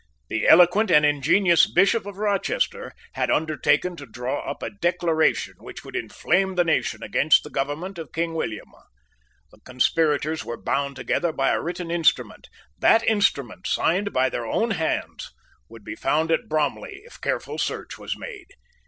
The eloquent and ingenious Bishop of Rochester had undertaken to draw up a Declaration which would inflame the nation against the government of King William. The conspirators were bound together by a written instrument. That instrument, signed by their own hands, would be found at Bromley if careful search was made.